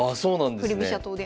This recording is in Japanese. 振り飛車党で。